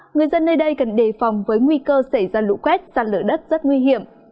người dân nơi đây cần đề phòng với nguy cơ xảy ra lũ quét sạt lở đất rất nguy hiểm